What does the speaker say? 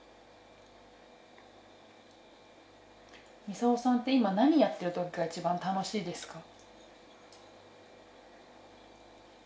ミサオさんって今何やってる時が一番楽しいですか？